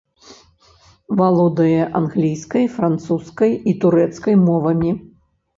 Валодае англійскай, французскай і турэцкай мовамі.